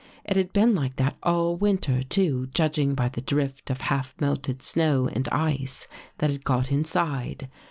It had been like that all winter, too, judging by the drift of half melted snow and ice that had got in side.